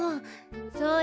そうよ。